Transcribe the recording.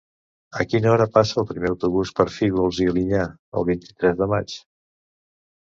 A quina hora passa el primer autobús per Fígols i Alinyà el vint-i-tres de maig?